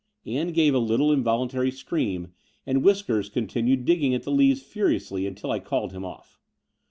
^ Ann gave a little involuntary scream; and Whiskers continued digging at the leaves furiously until I called him off.